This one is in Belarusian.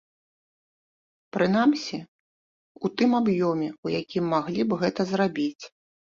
Прынамсі, у тым аб'ёме, у якім маглі б гэта зрабіць.